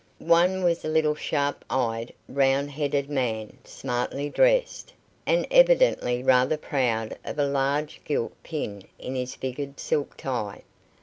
One was a little sharp eyed, round headed man, smartly dressed, and evidently rather proud of a large gilt pin in his figured silk tie.